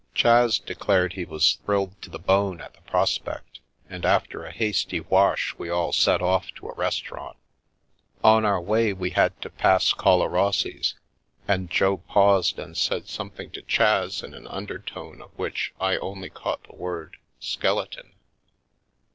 Chas declared he was thrilled to the bone at the pros pect, and after a hasty wash we all set off to a restau rant. On our way we had to pass Collarossi's, and Jo paused and said something to Chas in an undertone of which I only caught the word " skeleton."